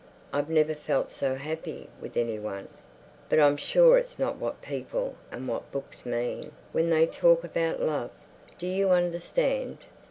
I've never felt so happy with anyone. But I'm sure it's not what people and what books mean when they talk about love. Do you understand?